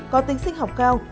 có tính sinh học cao